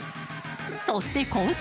そして今週